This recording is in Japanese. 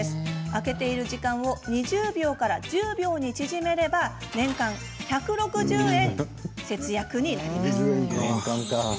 開けている時間を２０秒から１０秒に縮めれば年間１６０円、節約になります。